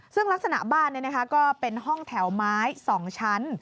ซึ่งลักษณะบ้านก็เป็นห้องแถวไม้๒ชั้น